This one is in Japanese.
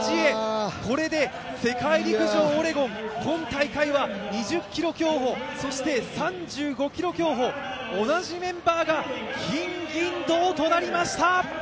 これで世界陸上オレゴン、今大会は２０ｋｍ競歩、そして３５ｋｍ競歩、同じメンバーが金、銀、銅となりました。